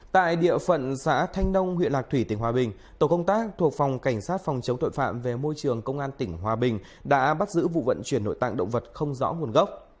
tại địa phận xã thanh nông huyện lạc thủy tỉnh hòa bình tổ công tác thuộc phòng cảnh sát phòng chống tội phạm về môi trường công an tỉnh hòa bình đã bắt giữ vụ vận chuyển nội tạng động vật không rõ nguồn gốc